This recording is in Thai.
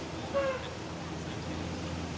สวัสดีครับทุกคน